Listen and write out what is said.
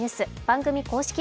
番組公式